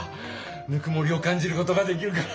ぬくもりをかんじることができるから。